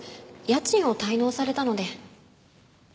家賃を滞納されたので。